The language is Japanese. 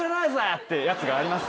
ってやつがあります。